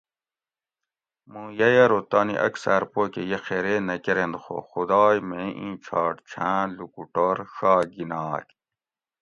موں یئ ارو تانی اکثاۤر پو کہ یہ خیرے نہ کرینت خو خدائ میں ایں چھاٹ چھاۤں لوکوٹور ڛا گھیناگ